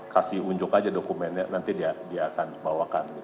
kasih unjuk aja dokumennya nanti dia akan bawakan